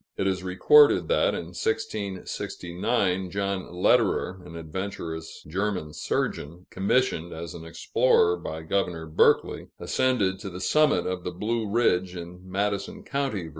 It is recorded that, in 1669, John Lederer, an adventurous German surgeon, commissioned as an explorer by Governor Berkeley, ascended to the summit of the Blue Ridge, in Madison County, Va.